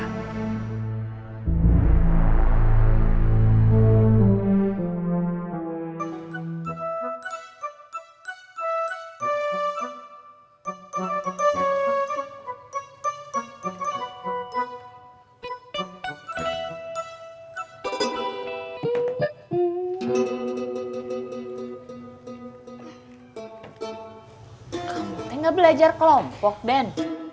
kamu tuh nggak belajar kelompok ben